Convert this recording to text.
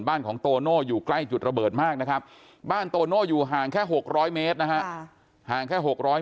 บ้านของโตโน่อยู่ใกล้จุดระเบิดมากนะครับบ้านโตโน่อยู่ห่างแค่หกร้อยเมตรนะฮะ